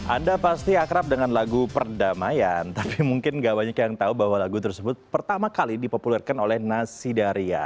anda pasti akrab dengan lagu perdamaian tapi mungkin gak banyak yang tahu bahwa lagu tersebut pertama kali dipopulerkan oleh nasidaria